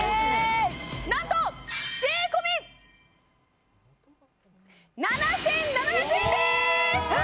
なんと税込７７００円です